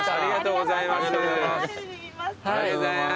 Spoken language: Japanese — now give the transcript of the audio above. ありがとうございます。